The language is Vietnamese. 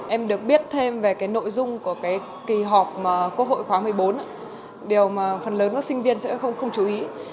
em được biết thêm về cái nội dung của cái kỳ họp quốc hội khóa một mươi bốn điều mà phần lớn các sinh viên sẽ không chú ý